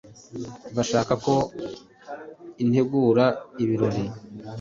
Bashaka ko ntegura ibirori.